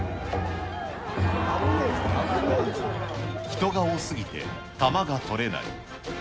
人が多すぎて、球が捕れない。